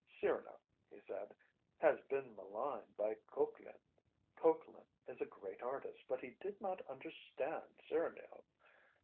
"Cyrano," he said, "has been maligned by Coquelin. Coquelin is a great artist, but he did not understand Cyrano.